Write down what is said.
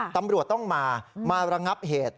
ตำรวจต้องมามาระงับเหตุ